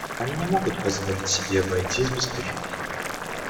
Они не могут позволить себе обойтись без перемен.